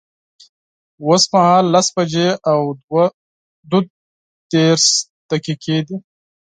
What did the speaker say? اوس مهال لس بجي او دوه دیرش دقیقی دی